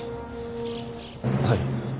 はい。